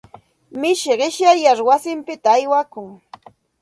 Mishi qishyayar wasinpita aywakun.